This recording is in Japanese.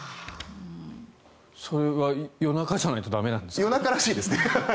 それは夜中じゃないと駄目なんですか？